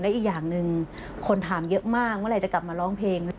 อีกอย่างหนึ่งคนถามเยอะมากเมื่อไหร่จะกลับมาร้องเพลง